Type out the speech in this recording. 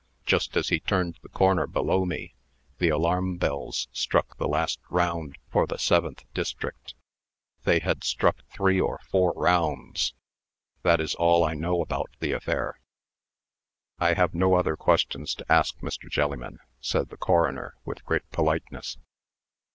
Just as he turned the corner below me, the alarm bells struck the last round for the Seventh District. They had struck three or four rounds. That is all I know about the affair." "I have no other questions to ask, Mr. Jelliman," said the coroner, with great politeness.